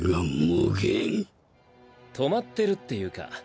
止まってるっていうか